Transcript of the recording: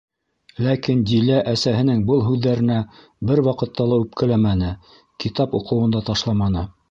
Ләкин Дилә әсәһенең был һүҙҙәренә бер ваҡытта ла үпкәләмәне, китап уҡыуын да ташламаны.